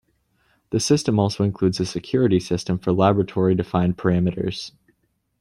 The system also includes a security system for laboratory-defined parameters.